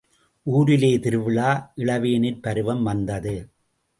ஊரிலே திருவிழா இளவேனிற் பருவம் வந்தது.